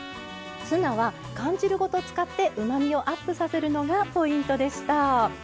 ツナは缶汁ごと使ってうまみをアップさせるのがポイントでした。